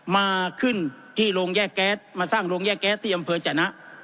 มาขึ้นที่โรงแยกแก๊สมาสร้างโรงแยกแก๊สที่อำเภอจนะ